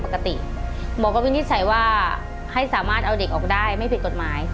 หมู่ผมบอกบ้างวิธีไฉ้ว่าให้สามารถเอาเด็กออกได้ไม่ผิดกฎหมาย